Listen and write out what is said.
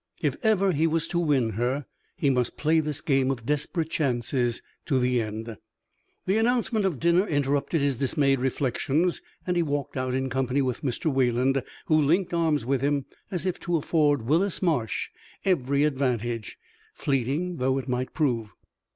If ever he was to win her, he must play this game of desperate chances to the end. The announcement of dinner interrupted his dismayed reflections, and he walked out in company with Mr. Wayland, who linked arms with him as if to afford Willis Marsh every advantage, fleeting though it might prove.